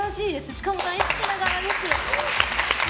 しかも大好きな柄です。